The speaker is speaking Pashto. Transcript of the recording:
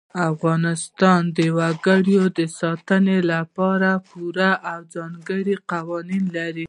افغانستان د وګړي د ساتنې لپاره پوره او ځانګړي قوانین لري.